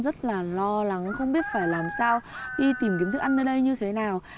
rất là lo lắng không biết phải làm sao đi tìm kiếm thức ăn nơi đây như thế nào